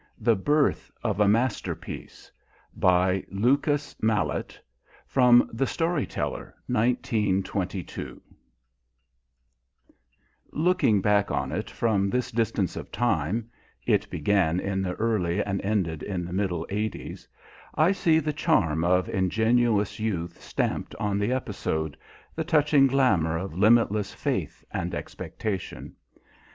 THE BIRTH OF A MASTERPIECE By LUCAS MALET (From The Story Teller) 1922 Looking back on it from this distance of time it began in the early and ended in the middle eighties I see the charm of ingenuous youth stamped on the episode, the touching glamour of limitless faith and expectation.